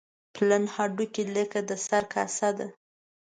پلن هډوکي لکه د سر کاسه ده.